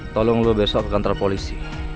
tolong lo besok ke kantor polisi